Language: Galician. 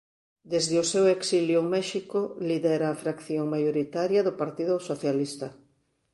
Desde o seu exilio en México lidera a fracción maioritaria do Partido Socialista.